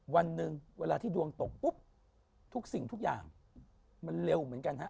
วันหนึ่งเวลาที่ดวงตกปุ๊บทุกสิ่งทุกอย่างมันเร็วเหมือนกันฮะ